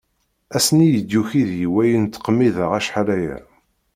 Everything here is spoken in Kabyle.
Ass-nni i d-yuki deg-i wayen ttqemmiḍeɣ achal aya.